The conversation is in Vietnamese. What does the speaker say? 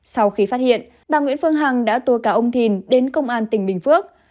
sau khi phát hiện bà nguyễn phương hằng đã tùa cả ông thìn đến công an tỉnh bình phước